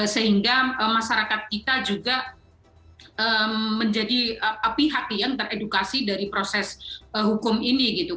sehingga masyarakat kita juga menjadi pihak yang teredukasi dari proses hukum ini gitu